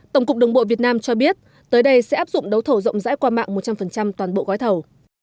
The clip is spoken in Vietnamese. tổng cục đường bộ việt nam cho biết tới đây sẽ áp dụng đấu thầu rộng rãi qua mạng một trăm linh toàn bộ gói thầu